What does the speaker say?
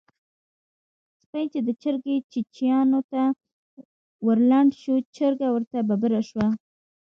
سپی چې د چرګې چیچيانو ته ورلنډ شو؛ چرګه ورته ببره شوه.